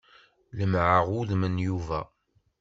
Lemmɛeɣ udem n Yuba.